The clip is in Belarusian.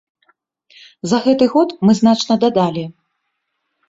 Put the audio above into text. За гэты год мы значна дадалі.